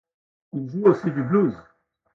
Il joue aussi du blues.